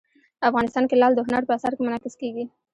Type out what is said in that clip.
افغانستان کې لعل د هنر په اثار کې منعکس کېږي.